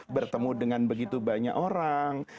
bertemu dengan begitu banyak orang